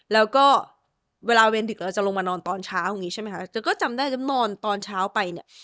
แล้วก็เวลาเวรดึกเราจะลงมานอนตอนเช้าอย่างนี้ใช่ไหมคะเธอก็จำได้จะนอนตอนเช้าไปเนี่ย